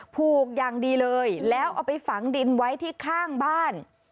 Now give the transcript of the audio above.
ผูกอย่างดีเลยแล้วเอาไปฝังดินไว้ที่ข้างบ้าน